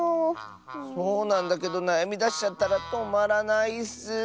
そうなんだけどなやみだしちゃったらとまらないッス。